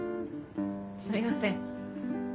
すいません。